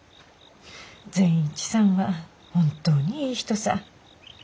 善一さんは本当にいい人さ。